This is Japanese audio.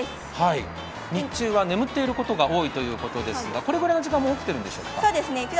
日中は眠っていることが多いということですが、このくらいの時間は起きているんでしょうか。